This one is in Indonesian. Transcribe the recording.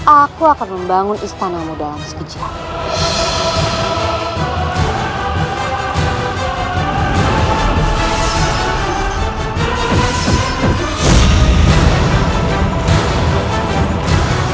aku akan membangun istanamu dalam sekejap